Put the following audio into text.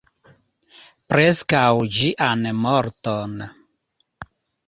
Preskaŭ ĝian morton.